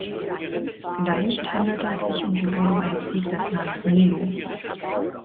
Vielleicht handelte es sich um die Rodung eines Siedlers namens Milo.